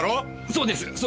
そうです。